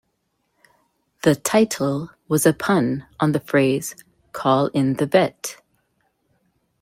The title was a pun on the phrase 'call in the vet'.